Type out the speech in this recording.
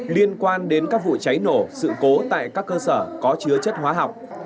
liên quan đến các vụ cháy nổ sự cố tại các cơ sở có chứa chất hóa học